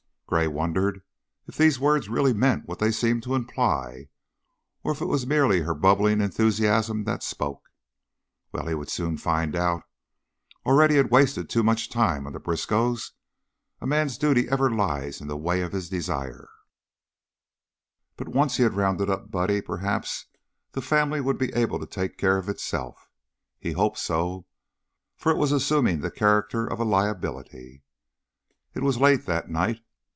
Gray wondered if these words really meant what they seemed to imply, or if it was merely her bubbling, enthusiasm that spoke. Well, he would soon find out. Already he had wasted too much time on the Briskows a man's duty ever lies in the way of his desire but once he had rounded up Buddy perhaps the family would be able to take care of itself. He hoped so, for it was assuming the character of a liability. It was late that night.